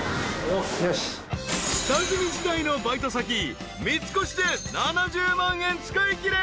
［下積み時代のバイト先三越で７０万円使いきれ］